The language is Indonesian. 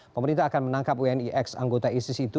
pemerintah akan menangkap wni x anggota isis itu